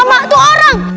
amat tuh orang